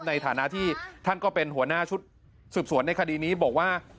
ในฐานะที่ท่านก็เป็นหัวหน้าชุดสืบสวนในคดีนี้บอกว่า